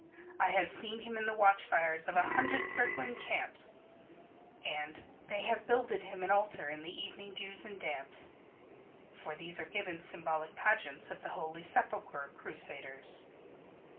"I have seen him in the watchfires of a hundred circling camps" and "They have builded him an altar in the evening dews and damps" for these are given symbolic pageants of the Holy Sepulchre crusaders.